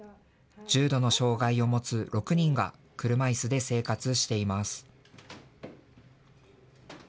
重度の障害を持つ６人が車いすで生活しています。